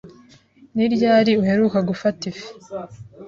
Ni ryari uheruka gufata ifi?